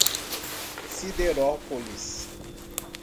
Siderópolis